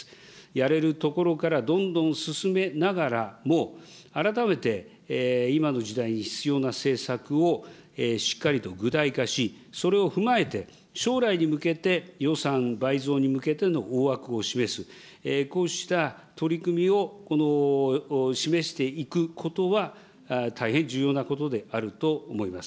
やれるところからどんどん進めながらも、改めて、今の時代に必要な政策をしっかりと具体化し、それを踏まえて、将来に向けて、予算倍増に向けての大枠を示す、こうした取り組みを示していくことは、大変重要なことであると思います。